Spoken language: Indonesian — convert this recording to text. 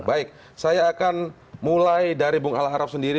baik saya akan mulai dari bung al haram sendiri